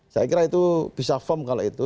saya kira itu bisa firm kalau itu